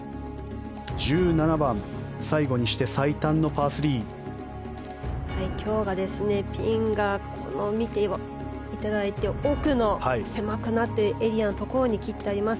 １７番最後にして最短のパー３。今日がピンから見ていただいて奥の狭くなっているエリアのところに切ってあります。